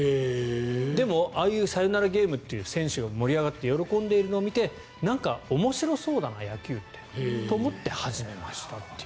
でも、ああいうサヨナラゲームという選手が盛り上がって喜んでいるのを見てなんか面白そうだな野球と思って始めましたという。